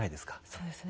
そうですね。